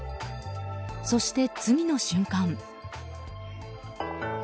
そして、次の瞬間。